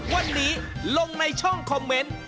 วันนี้ลงในช่องคอมเมนต์